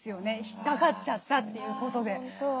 引っかかっちゃったということで。